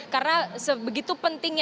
karena begitu pentingnya